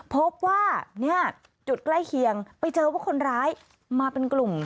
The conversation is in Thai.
พบว่าเนี่ยจุดใกล้เคียงไปเจอว่าคนร้ายมาเป็นกลุ่ม